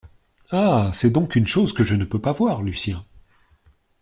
Ah ! c’est donc une chose que je ne peux pas voir Lucien .